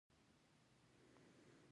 دوه ورځې احمد خپل دوکانونه سپینول.